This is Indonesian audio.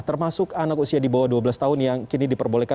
termasuk anak usia di bawah dua belas tahun yang kini diperbolehkan